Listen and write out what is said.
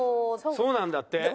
そうなんだって。